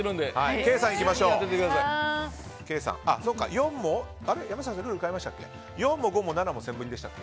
４も５も７もセンブリでしたっけ。